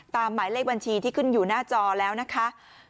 หมายเลขบัญชีที่ขึ้นอยู่หน้าจอแล้วนะคะ